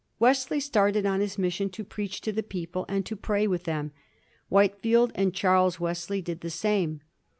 Wesley started on his mission to preach to the people and to pray with them. Whitefield and Charles Wesley did the same.